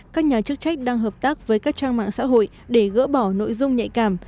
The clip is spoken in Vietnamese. các nhà chức trách đang hợp tác với các trang mạng xã hội để gỡ bỏ nội dung nhạy cảm